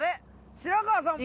白川さん。